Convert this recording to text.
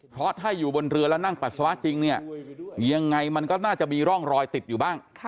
เพราะถ้าอยู่บนเรือแล้วนั่งปัสสาวะจริงเนี่ยยังไงมันก็น่าจะมีร่องรอยติดอยู่บ้าง